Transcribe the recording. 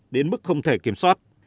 đến mức không thể kiểm soát